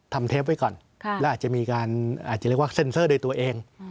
ทำเทปไว้ก่อนมีการเซ็นเซอร์โดยตัวเอง